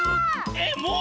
えっもう？